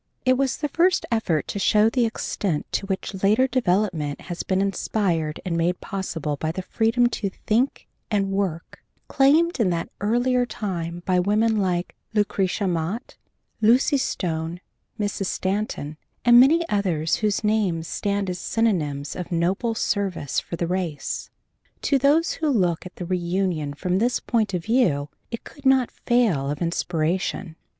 It was the first effort to show the extent to which later development has been inspired and made possible by the freedom to think and work claimed in that earlier time by women like Lucretia Mott, Lucy Stone, Mrs. Stanton, and many others whose names stand as synonyms of noble service for the race. To those who looked at the reunion from this point of view it could not fail of inspiration.